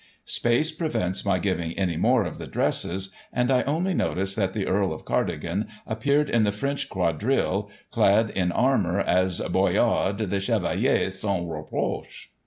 Space prevents my giving any more of the dresses, and I only notice that the Earl of Cardigan appeared in the French Quadrille, clad in armour, ss Bayardy the '* C hevalier sans reproche